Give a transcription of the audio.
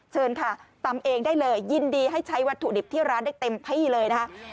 เชิญค่ะตำเองได้เลยยินดีให้ใช้วัตถุดิบที่ร้านได้เต็มที่เลยนะคะ